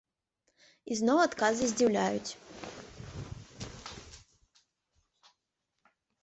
І зноў адказы здзіўляюць!